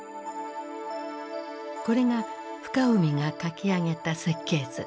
これが深海が描き上げた設計図。